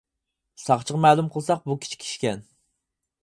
ساقچىغا مەلۇم قىلساق بۇ كىچىك ئىشكەن.